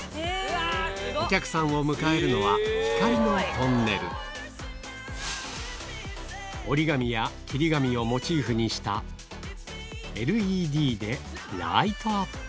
お客さんを迎えるのは光のトンネル折り紙や切り紙をモチーフにしたＬＥＤでライトアップ